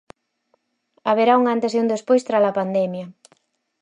Haberá un antes e un despois tras a pandemia.